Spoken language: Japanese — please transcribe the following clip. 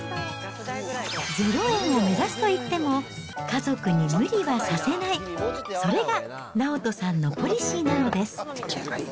０円を目指すといっても、家族に無理はさせない、それが直人さんのポリシーなのです。